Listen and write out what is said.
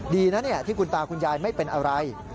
ดีนะที่คุณตาคุณยายไม่เป็นอะไร